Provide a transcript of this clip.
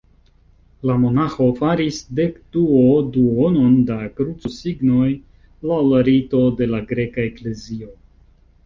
La monaĥo faris dekduoduonon da krucosignoj laŭ la rito de la Greka Eklezio.